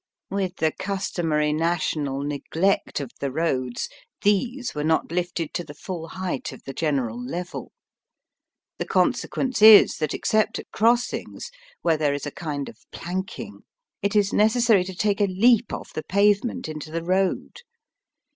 With the customary national neglect of the roads, these were not Ufted to the full height of the general level. The con sequence is that, except at crossings, where there is a kind of planking, it is necessary to take a leap off the pavement into the road.